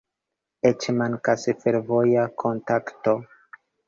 Eĉ mankas fervoja kontakto.